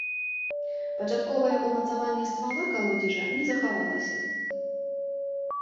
Пачатковае ўмацаванне ствала калодзежа не захавалася.